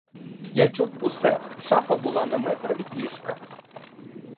Я чув усе, шафа була на метр від ліжка.